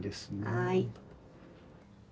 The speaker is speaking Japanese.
はい。